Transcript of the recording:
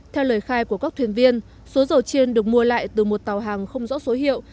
theo lời khai của các thuyền viên số dầu trên được mua lại từ một tàu hàng không rõ số hiệu